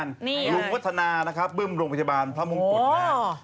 อันนี้อะไรลุงวัฒนาบืมโรงพยาบาลพระมงคุด